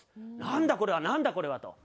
なんだこれはなんだこれはと。